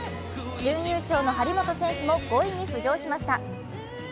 準優勝の張本選手も５位に浮上しました。